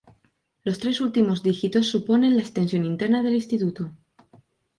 Los tres últimos dígitos suponen la extensión interna del instituto.